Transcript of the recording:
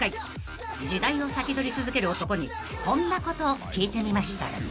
［時代を先取り続ける男にこんなことを聞いてみました］